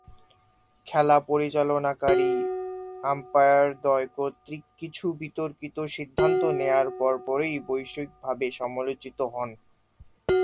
খেলা পরিচালনাকারী আম্পায়ারদ্বয় কর্তৃক কিছু বিতর্কিত সিদ্ধান্ত নেয়ার পরপরই বৈশ্বিকভাবে সমালোচিত হন।